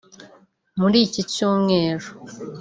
muri iki cyumweru